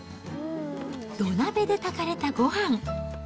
土鍋で炊かれたごはん。